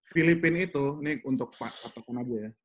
filipin itu ini untuk pak pak tepun aja ya